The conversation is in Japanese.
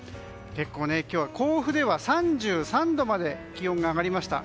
今日は甲府では３３度まで気温が上がりました。